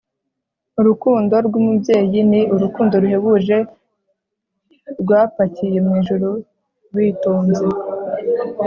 urukundo rw'umubyeyi ni urukundo ruhebuje rwapakiye mu ijuru witonze.